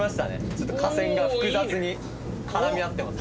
ちょっと架線が複雑に絡み合ってます。